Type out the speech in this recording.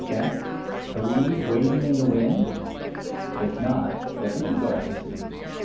a£ p ^ reed waving in the wind? If not, what did you go out to see